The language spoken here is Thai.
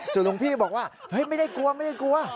ส่วนหลวงพี่บอกว่าไหนไม่ได้กลัว